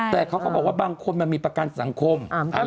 แต่เขาก็บอกว่าบางคนมันมีประกันสังคม